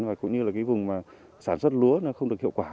và cũng như là vùng sản xuất lúa không được hiệu quả